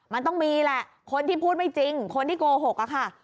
มันต้องมีแหละคนที่พูดไม่จริงคนที่โกหกอะค่ะ